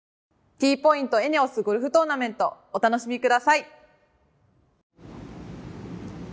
Ｔポイント×ＥＮＥＯＳゴルフトーナメントお楽しみください。